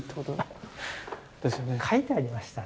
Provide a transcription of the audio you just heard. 書いてありましたね。